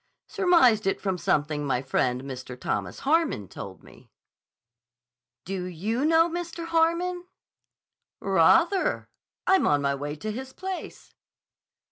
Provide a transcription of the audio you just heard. "Surmised it from something my friend, Mr. Thomas Harmon told me." "Do you know Mr. Harmon?" "Rah ther! I'm on my way to his place."